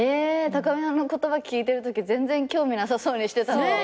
たかみなの言葉聞いてるとき全然興味なさそうにしてたのに？